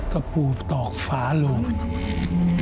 กระปูปตอกฝาลูก